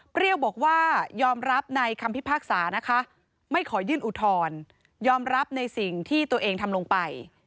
บอกว่ายอมรับในคำพิพากษานะคะไม่ขอยื่นอุทธรณ์ยอมรับในสิ่งที่ตัวเองทำลงไป